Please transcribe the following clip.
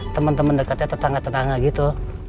temen temen dekatnya tetangga tetangga gitu